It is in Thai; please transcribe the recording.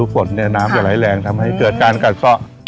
ฝนเนี่ยน้ำจะไหลแรงทำให้เกิดการกัดซ่อ